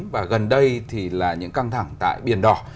và gần đây thì là những căng thẳng tại biển đỏ